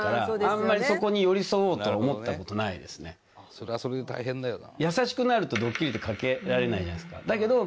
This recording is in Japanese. それはそれで大変だよな。